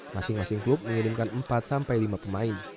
masing masing klub mengirimkan empat sampai lima pemain